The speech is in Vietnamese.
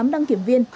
tám đăng kiểm viên